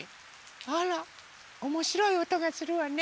あらおもしろいおとがするわね。